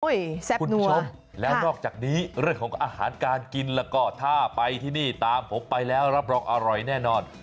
คุณผู้ชมแล้วนอกจากนี้เรื่องของอาหารการกินแล้วก็ถ้าไปที่นี่ตามผมไปแล้วรับรองอร่อยแน่นอน